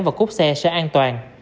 và cút xe sẽ an toàn